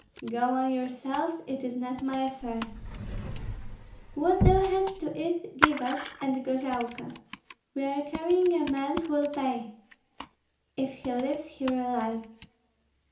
"Go on yourselves; it is not my affair." "What thou hast to eat, give us, and gorailka. We are carrying a man who will pay." "If he leaves here alive."